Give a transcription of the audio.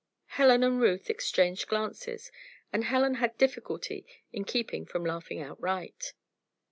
Helen and Ruth exchanged glances and Helen had difficulty in keeping from laughing outright.